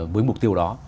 với mục tiêu đó